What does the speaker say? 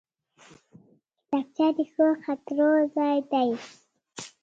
کتابچه د ښو خاطرو ځای دی